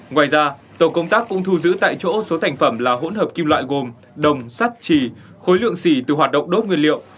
ngoài ra tổ công tác cũng thu giữ tại chỗ số thành phẩm là hỗn hợp kim loại gồm đồng sắt trì khối lượng xỉ từ hoạt động đốt nguyên liệu